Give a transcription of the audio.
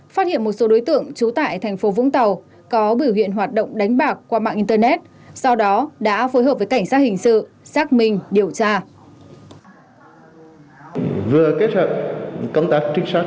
phát hiện một số đối tượng trú tại thành phố vũng tàu có biểu hiện hoạt động đánh bạc qua mạng internet sau đó đã phối hợp với cảnh sát hình sự xác minh điều tra